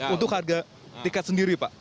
untuk harga tiket sendiri pak